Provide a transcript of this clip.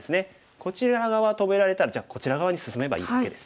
こちら側止められたらじゃあこちら側に進めばいいだけです。